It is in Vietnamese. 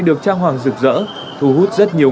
được trang hoàng rực rỡ thu hút rất nhiều